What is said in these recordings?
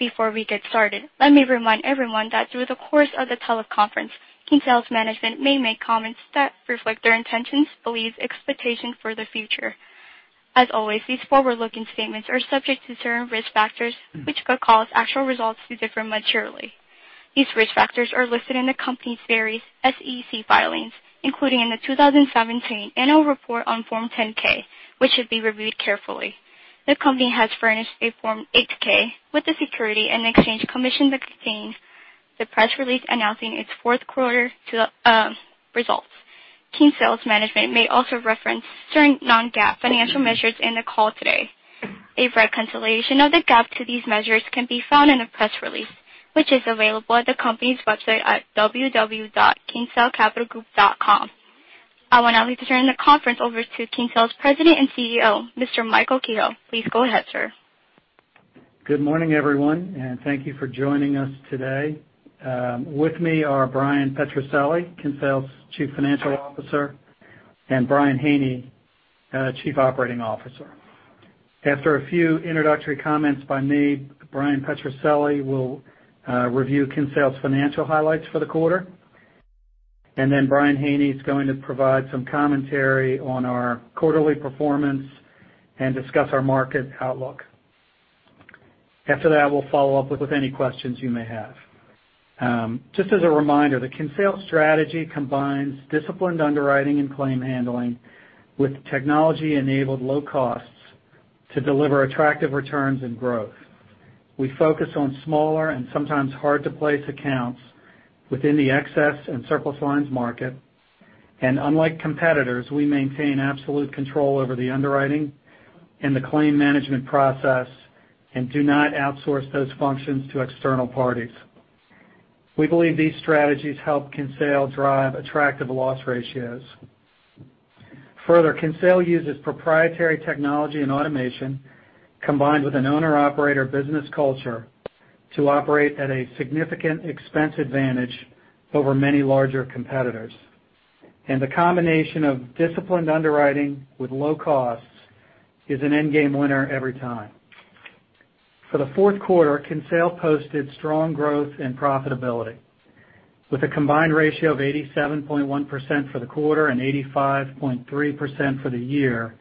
Before we get started, let me remind everyone that through the course of the teleconference, Kinsale's management may make comments that reflect their intentions, beliefs, expectations for the future. As always, these forward-looking statements are subject to certain risk factors, which could cause actual results to differ materially. These risk factors are listed in the company's various SEC filings, including in the 2017 annual report on Form 10-K, which should be reviewed carefully. The company has furnished a Form 8-K with the Securities and Exchange Commission that contains the press release announcing its fourth quarter results. Kinsale's management may also reference certain non-GAAP financial measures in the call today. A reconciliation of the GAAP to these measures can be found in the press release, which is available at the company's website at www.kinsalecapitalgroup.com. I would now like to turn the conference over to Kinsale's President and CEO, Mr. Michael Kehoe. Please go ahead, sir. Good morning, everyone. Thank you for joining us today. With me are Bryan Petrucelli, Kinsale's Chief Financial Officer, and Brian Haney, Chief Operating Officer. After a few introductory comments by me, Bryan Petrucelli will review Kinsale's financial highlights for the quarter. Brian Haney is going to provide some commentary on our quarterly performance and discuss our market outlook. After that, we'll follow up with any questions you may have. Just as a reminder, the Kinsale strategy combines disciplined underwriting and claim handling with technology-enabled low costs to deliver attractive returns and growth. We focus on smaller and sometimes hard-to-place accounts within the excess and surplus lines market. Unlike competitors, we maintain absolute control over the underwriting and the claim management process and do not outsource those functions to external parties. We believe these strategies help Kinsale drive attractive loss ratios. Further, Kinsale uses proprietary technology and automation combined with an owner-operator business culture to operate at a significant expense advantage over many larger competitors. The combination of disciplined underwriting with low costs is an end-game winner every time. For the fourth quarter, Kinsale posted strong growth and profitability. With a combined ratio of 87.1% for the quarter and 85.3% for the year,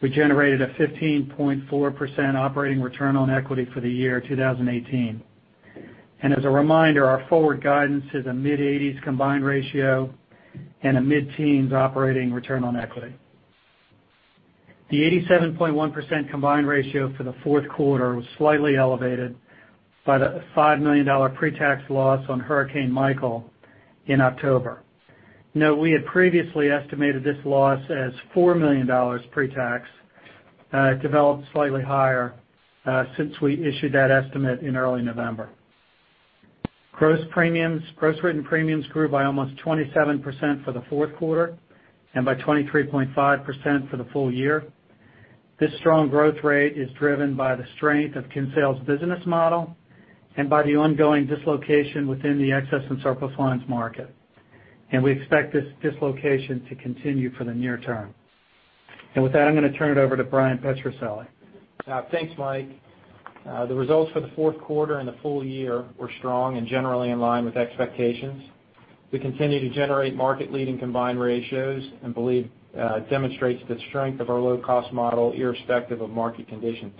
we generated a 15.4% operating return on equity for the year 2018. As a reminder, our forward guidance is a mid-80s combined ratio and a mid-teens operating return on equity. The 87.1% combined ratio for the fourth quarter was slightly elevated by the $5 million pre-tax loss on Hurricane Michael in October. We had previously estimated this loss as $4 million pre-tax. It developed slightly higher since we issued that estimate in early November. Gross written premiums grew by almost 27% for the fourth quarter and by 23.5% for the full year. This strong growth rate is driven by the strength of Kinsale's business model and by the ongoing dislocation within the excess and surplus lines market. We expect this dislocation to continue for the near term. With that, I'm going to turn it over to Bryan Petrucelli. Thanks, Mike. The results for the fourth quarter and the full year were strong and generally in line with expectations. We continue to generate market-leading combined ratios and believe it demonstrates the strength of our low-cost model irrespective of market conditions.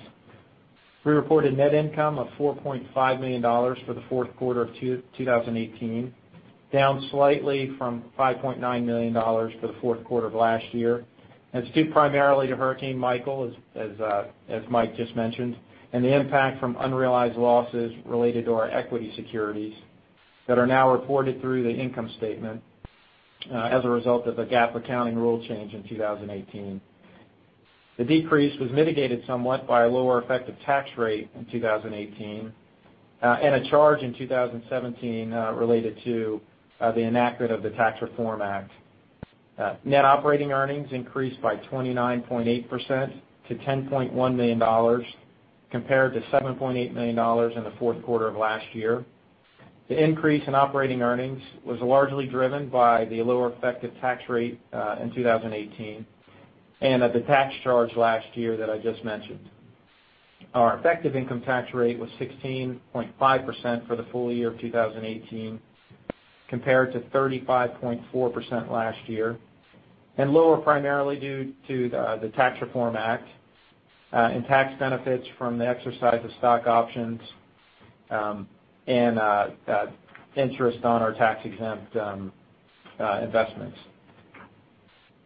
We reported net income of $4.5 million for the fourth quarter of 2018, down slightly from $5.9 million for the fourth quarter of last year. That's due primarily to Hurricane Michael, as Mike just mentioned, and the impact from unrealized losses related to our equity securities that are now reported through the income statement as a result of a GAAP accounting rule change in 2018. The decrease was mitigated somewhat by a lower effective tax rate in 2018 and a charge in 2017 related to the enactment of the Tax Reform Act. Net operating earnings increased by 29.8% to $10.1 million, compared to $7.8 million in the fourth quarter of last year. The increase in operating earnings was largely driven by the lower effective tax rate in 2018 and the tax charge last year that I just mentioned. Our effective income tax rate was 16.5% for the full year of 2018, compared to 35.4% last year, and lower primarily due to the Tax Reform Act and tax benefits from the exercise of stock options and interest on our tax-exempt investments.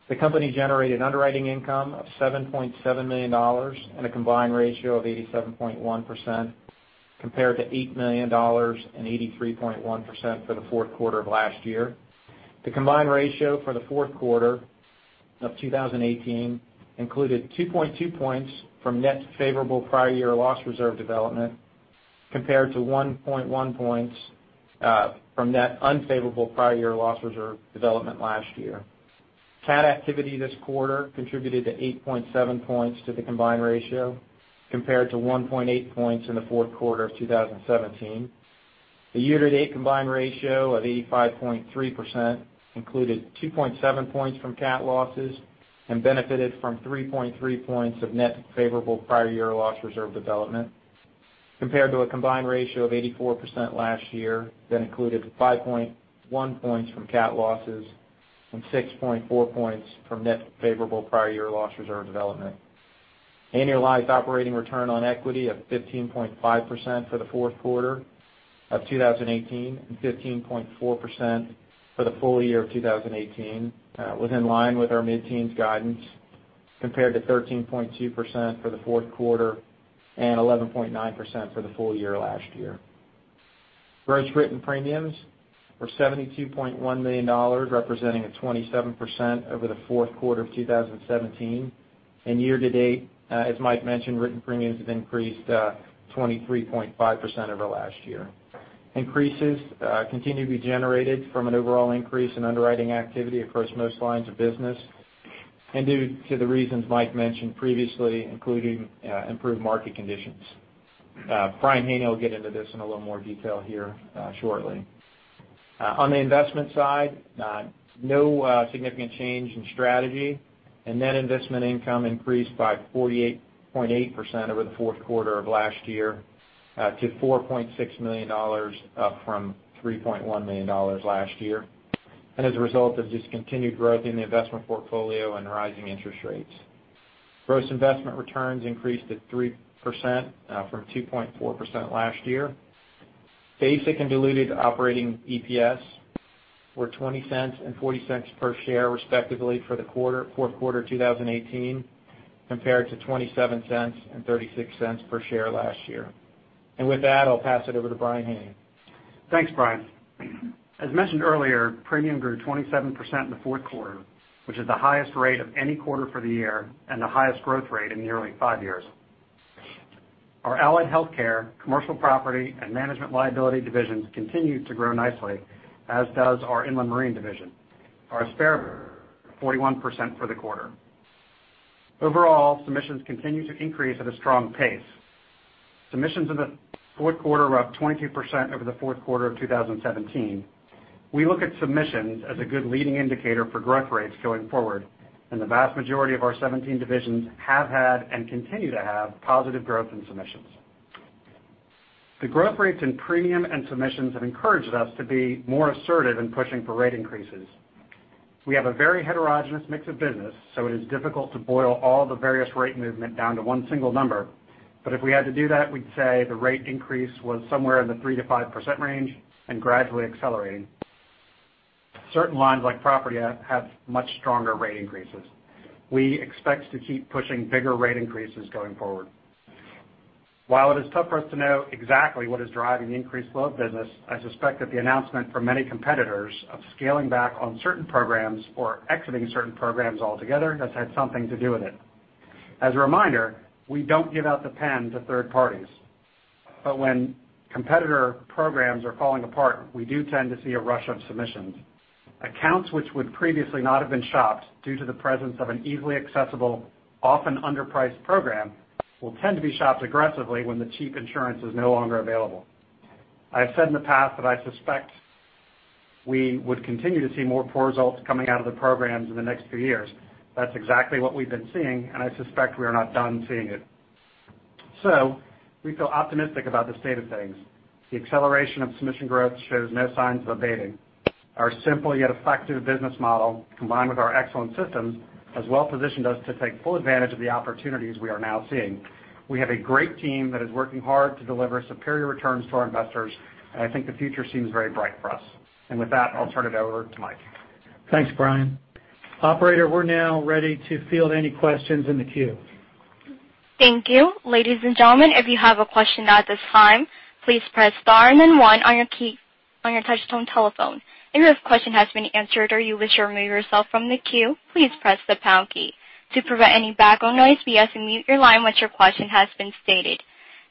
The company generated underwriting income of $7.7 million and a combined ratio of 87.1%, compared to $8 million and 83.1% for the fourth quarter of last year. The combined ratio for the fourth quarter of 2018 included 2.2 points from net favorable prior year loss reserve development, compared to 1.1 points from net unfavorable prior year loss reserve development last year. Cat activity this quarter contributed 8.7 points to the combined ratio, compared to 1.8 points in the fourth quarter of 2017. The year-to-date combined ratio of 85.3% included 2.7 points from cat losses and benefited from 3.3 points of net favorable prior year loss reserve development, compared to a combined ratio of 84% last year that included 5.1 points from cat losses and 6.4 points from net favorable prior year loss reserve development. Annualized operating return on equity of 15.5% for the fourth quarter of 2018 and 15.4% for the full year of 2018 was in line with our mid-teens guidance compared to 13.2% for the fourth quarter and 11.9% for the full year last year. Gross written premiums were $72.1 million, representing 27% over the fourth quarter of 2017. Year to date, as Mike mentioned, written premiums have increased 23.5% over last year. Increases continue to be generated from an overall increase in underwriting activity across most lines of business and due to the reasons Mike Kehoe mentioned previously, including improved market conditions. Brian Haney will get into this in a little more detail here shortly. On the investment side, no significant change in strategy. Net investment income increased by 48.8% over the fourth quarter of last year to $4.6 million, up from $3.1 million last year, as a result of just continued growth in the investment portfolio and rising interest rates. Gross investment returns increased to 3% from 2.4% last year. Basic and diluted operating EPS were $0.20 and $0.40 per share, respectively, for the fourth quarter 2018, compared to $0.27 and $0.36 per share last year. With that, I'll pass it over to Brian Haney. Thanks, Bryan. As mentioned earlier, premium grew 27% in the fourth quarter, which is the highest rate of any quarter for the year and the highest growth rate in nearly five years. Our Allied Health, Commercial Property, and management liability divisions continue to grow nicely, as does our inland marine division. Aspera 41% for the quarter. Overall, submissions continue to increase at a strong pace. Submissions in the fourth quarter were up 22% over the fourth quarter of 2017. We look at submissions as a good leading indicator for growth rates going forward, and the vast majority of our 17 divisions have had and continue to have positive growth in submissions. The growth rates in premium and submissions have encouraged us to be more assertive in pushing for rate increases. We have a very heterogeneous mix of business, so it is difficult to boil all the various rate movement down to one single number. If we had to do that, we'd say the rate increase was somewhere in the 3%-5% range and gradually accelerating. Certain lines, like property, have much stronger rate increases. We expect to keep pushing bigger rate increases going forward. While it is tough for us to know exactly what is driving the increased flow of business, I suspect that the announcement from many competitors of scaling back on certain programs or exiting certain programs altogether has had something to do with it. As a reminder, we don't give out the pen to third parties. When competitor programs are falling apart, we do tend to see a rush of submissions. Accounts which would previously not have been shopped due to the presence of an easily accessible, often underpriced program, will tend to be shopped aggressively when the cheap insurance is no longer available. I've said in the past that I suspect we would continue to see more poor results coming out of the programs in the next few years. That's exactly what we've been seeing, and I suspect we are not done seeing it. We feel optimistic about the state of things. The acceleration of submission growth shows no signs of abating. Our simple yet effective business model, combined with our excellent systems, has well-positioned us to take full advantage of the opportunities we are now seeing. We have a great team that is working hard to deliver superior returns to our investors, and I think the future seems very bright for us. With that, I'll turn it over to Mike. Thanks, Brian. Operator, we're now ready to field any questions in the queue. Thank you. Ladies and gentlemen, if you have a question at this time, please press star and then one on your touch tone telephone. If your question has been answered or you wish to remove yourself from the queue, please press the pound key. To prevent any background noise, we ask you mute your line once your question has been stated.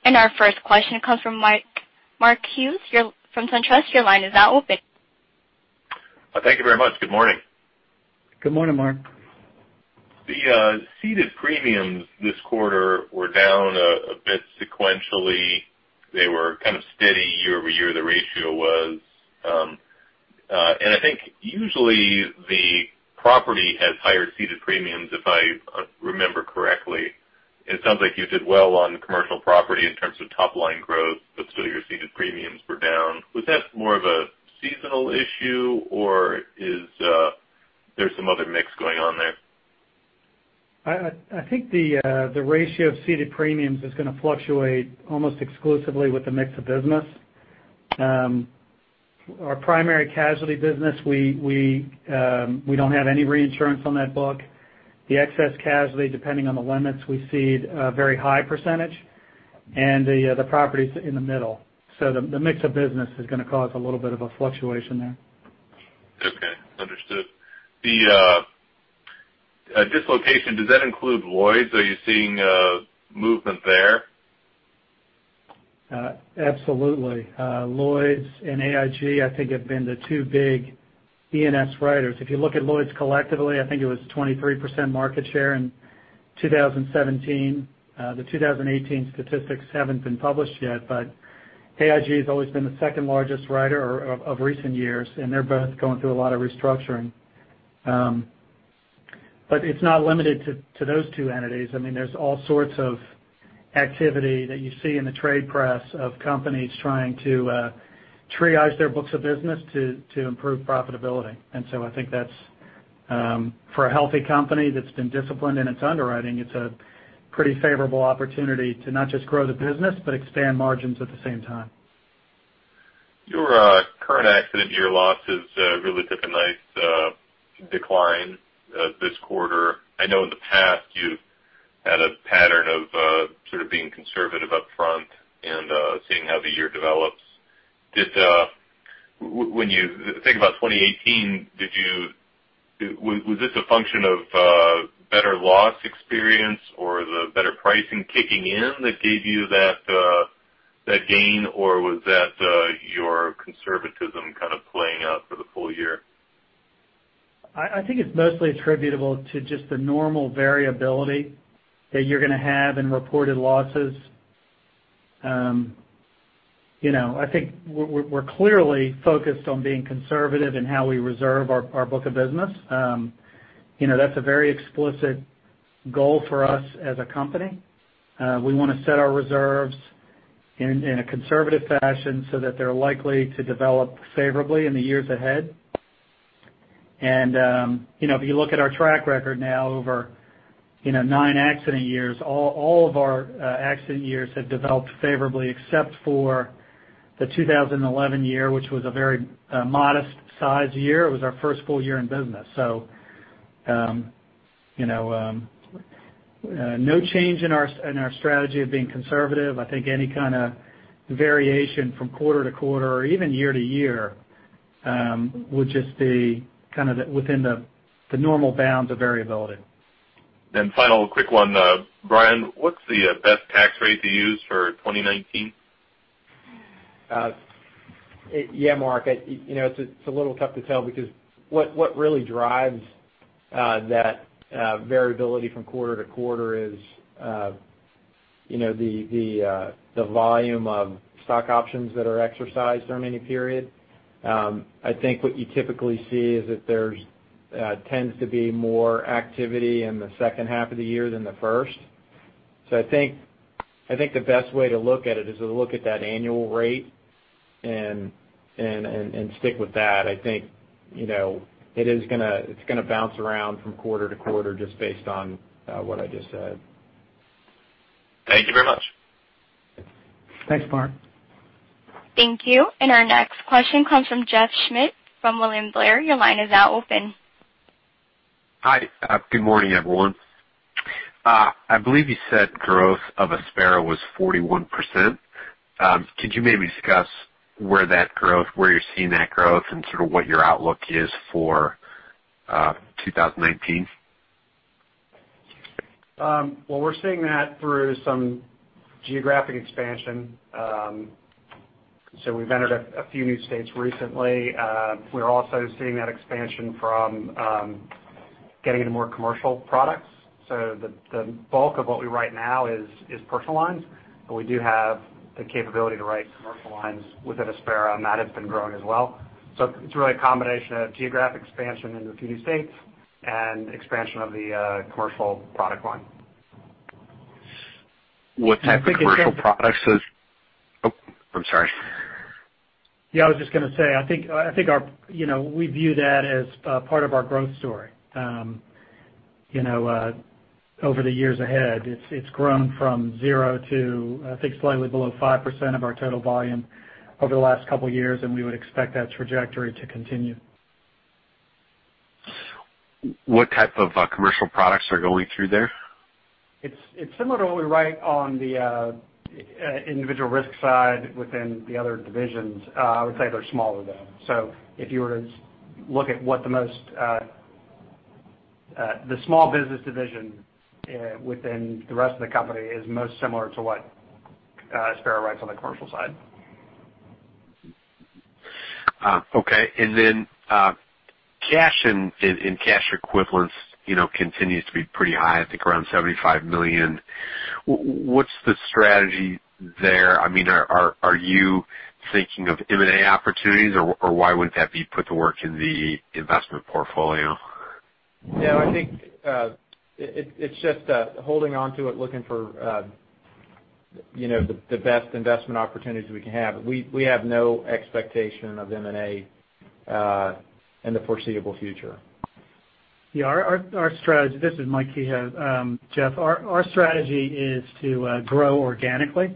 Our first question comes from Mark Hughes from SunTrust. Your line is now open. Thank you very much. Good morning. Good morning, Mark. The ceded premiums this quarter were down a bit sequentially. They were kind of steady year-over-year, the ratio was. I think usually the property has higher ceded premiums, if I remember correctly. It sounds like you did well on Commercial Property in terms of top-line growth, but still your ceded premiums were down. Was that more of a seasonal issue, or is there some other mix going on there? I think the ratio of ceded premiums is going to fluctuate almost exclusively with the mix of business. Our primary casualty business, we don't have any reinsurance on that book. The excess casualty, depending on the limits, we cede a very high percentage, and the property's in the middle. The mix of business is going to cause a little bit of a fluctuation there. Okay. Understood. The dislocation, does that include Lloyd's? Are you seeing movement there? Absolutely. Lloyd's and AIG, I think have been the two big E&S writers. If you look at Lloyd's collectively, I think it was 23% market share in 2017. The 2018 statistics haven't been published yet. AIG has always been the second largest writer of recent years, and they're both going through a lot of restructuring. It's not limited to those two entities. There's all sorts of activity that you see in the trade press of companies trying to triage their books of business to improve profitability. I think that's, for a healthy company that's been disciplined in its underwriting, it's a pretty favorable opportunity to not just grow the business but expand margins at the same time. Your current accident year losses really took a nice decline this quarter. I know in the past you've had a pattern of sort of being conservative up front and seeing how the year develops. When you think about 2018, was this a function of better loss experience, or the better pricing kicking in that gave you that gain, or was that your conservatism kind of playing out for the full year? I think it's mostly attributable to just the normal variability that you're going to have in reported losses. I think we're clearly focused on being conservative in how we reserve our book of business. That's a very explicit goal for us as a company. We want to set our reserves in a conservative fashion so that they're likely to develop favorably in the years ahead. If you look at our track record now over nine accident years, all of our accident years have developed favorably except for the 2011 year, which was a very modest size year. It was our first full year in business. No change in our strategy of being conservative. I think any kind of variation from quarter to quarter or even year to year would just be kind of within the normal bounds of variability. Final quick one. Bryan, what's the best tax rate to use for 2019? Yeah, Mark. It's a little tough to tell because what really drives that variability from quarter to quarter is the volume of stock options that are exercised during any period. I think what you typically see is that there tends to be more activity in the second half of the year than the first. I think the best way to look at it is to look at that annual rate and stick with that. I think it's going to bounce around from quarter to quarter just based on what I just said. Thank you very much. Thanks, Mark. Thank you. Our next question comes from Jeff Schmitt from William Blair. Your line is now open. Hi. Good morning, everyone. I believe you said growth of Aspera was 41%. Could you maybe discuss where you're seeing that growth and sort of what your outlook is for 2019? We're seeing that through some geographic expansion. We've entered a few new states recently. We're also seeing that expansion from getting into more commercial products. The bulk of what we write now is personal lines, but we do have the capability to write commercial lines within Aspera, and that has been growing as well. It's really a combination of geographic expansion into a few new states and expansion of the commercial product line. What type of commercial products oh, I'm sorry. I was just going to say, I think we view that as part of our growth story. Over the years ahead, it's grown from zero to, I think, slightly below 5% of our total volume over the last couple of years. We would expect that trajectory to continue. What type of commercial products are going through there? It's similar to what we write on the individual risk side within the other divisions. I would say they're smaller, though. If you were to look at what the small business division within the rest of the company is most similar to what Aspera writes on the commercial side. Cash and cash equivalents continues to be pretty high, I think around $75 million. What's the strategy there? Are you thinking of M&A opportunities, or why wouldn't that be put to work in the investment portfolio? No, I think it's just holding onto it, looking for the best investment opportunities we can have. We have no expectation of M&A in the foreseeable future. Yeah, our strategy-- this is Mike Kehoe, Jeff. Our strategy is to grow organically.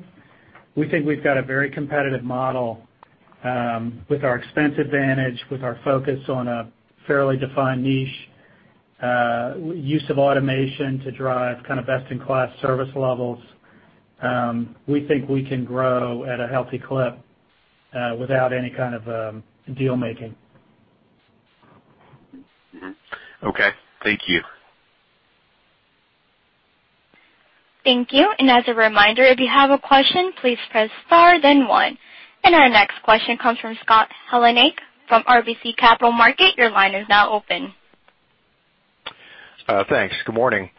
We think we've got a very competitive model with our expense advantage, with our focus on a fairly defined niche, use of automation to drive kind of best-in-class service levels. We think we can grow at a healthy clip without any kind of deal-making. Okay. Thank you. Thank you. As a reminder, if you have a question, please press star then one. Our next question comes from Scott Heleniak from RBC Capital Markets. Your line is now open. Thanks. Good morning.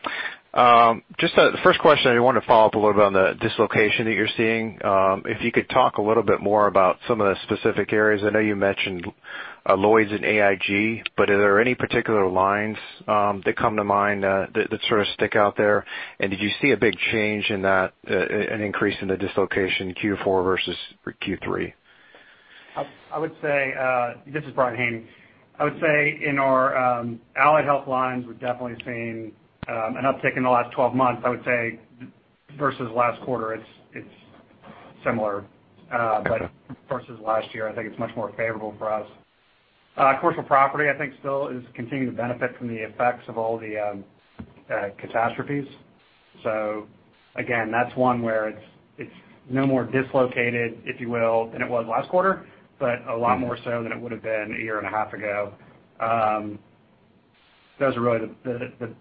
The first question, I want to follow up a little bit on the dislocation that you're seeing. If you could talk a little bit more about some of the specific areas. I know you mentioned Lloyd's and AIG, are there any particular lines that come to mind that sort of stick out there? Did you see a big change in that, an increase in the dislocation in Q4 versus Q3? This is Brian Haney. I would say in our Allied Health lines, we're definitely seeing an uptick in the last 12 months. I would say versus last quarter, it's similar. Okay. Versus last year, I think it's much more favorable for us. Commercial Property, I think, still is continuing to benefit from the effects of all the catastrophes. Again, that's one where it's no more dislocated, if you will, than it was last quarter, a lot more so than it would have been a year and a half ago. Those are really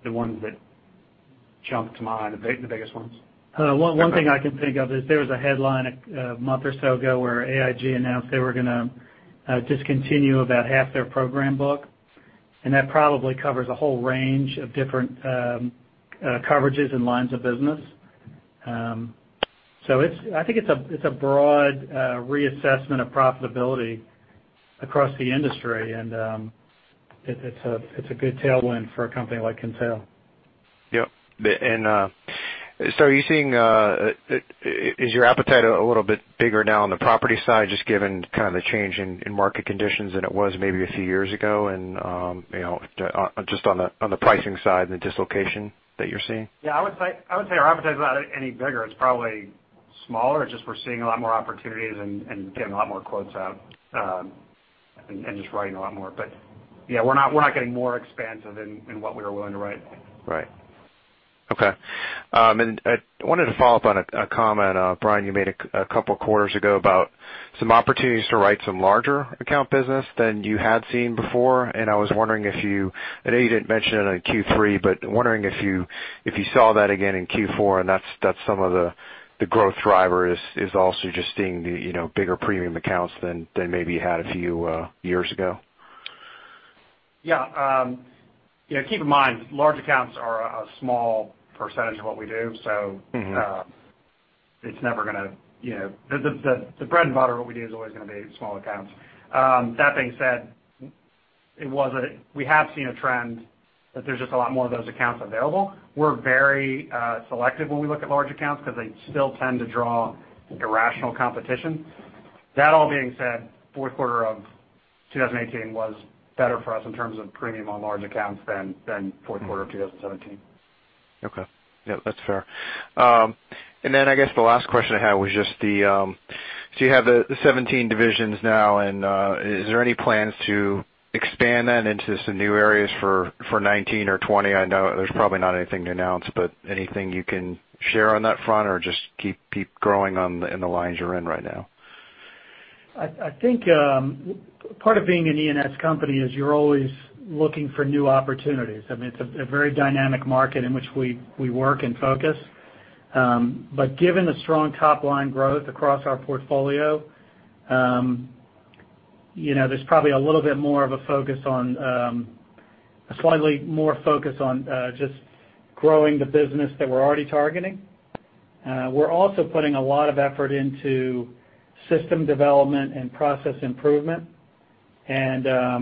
the ones that jump to mind, the biggest ones. One thing I can think of is there was a headline a month or so ago where AIG announced they were going to discontinue about half their program book, that probably covers a whole range of different coverages and lines of business. I think it's a broad reassessment of profitability across the industry, it's a good tailwind for a company like Kinsale. Yep. Is your appetite a little bit bigger now on the property side, just given kind of the change in market conditions than it was maybe a few years ago, and just on the pricing side and the dislocation that you're seeing? Yeah, I would say our appetite is not any bigger. It's probably smaller. It's just we're seeing a lot more opportunities and getting a lot more quotes out, and just writing a lot more. Yeah, we're not getting more expansive in what we are willing to write. Right. Okay. I wanted to follow up on a comment, Brian, you made a couple quarters ago about some opportunities to write some larger account business than you had seen before. I was wondering if you, I know you didn't mention it in Q3, but wondering if you saw that again in Q4 and that's some of the growth drivers is also just seeing the bigger premium accounts than maybe you had a few years ago. Yeah. Keep in mind, large accounts are a small percentage of what we do. The bread and butter of what we do is always going to be small accounts. That being said, we have seen a trend that there's just a lot more of those accounts available. We're very selective when we look at large accounts because they still tend to draw irrational competition. That all being said, fourth quarter of 2018 was better for us in terms of premium on large accounts than fourth quarter of 2017. Okay. Yep, that's fair. Then I guess the last question I had was just the, you have the 17 divisions now, is there any plans to expand that into some new areas for 2019 or 2020? I know there's probably not anything to announce, but anything you can share on that front or just keep growing in the lines you're in right now? I think part of being an E&S company is you're always looking for new opportunities. I mean, it's a very dynamic market in which we work and focus. Given the strong top-line growth across our portfolio, there's probably a slightly more focus on just growing the business that we're already targeting. We're also putting a lot of effort into system development and process improvement, that's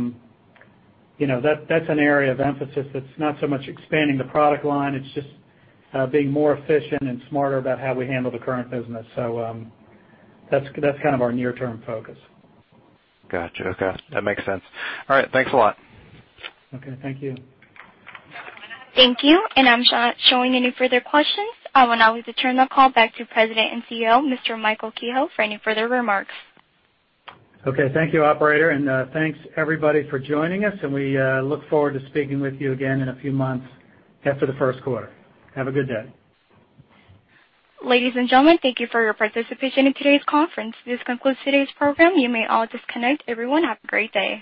an area of emphasis that's not so much expanding the product line, it's just being more efficient and smarter about how we handle the current business. That's kind of our near-term focus. Got you. Okay. That makes sense. All right. Thanks a lot. Okay. Thank you. Thank you. I'm not showing any further questions. I will now return the call back to President and CEO, Mr. Michael Kehoe, for any further remarks. Okay. Thank you, operator. Thanks everybody for joining us, and we look forward to speaking with you again in a few months after the first quarter. Have a good day. Ladies and gentlemen, thank you for your participation in today's conference. This concludes today's program. You may all disconnect. Everyone, have a great day.